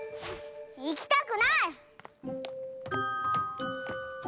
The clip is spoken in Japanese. いきたくない！